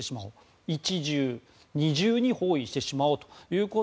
１重、２重に包囲してしまおう。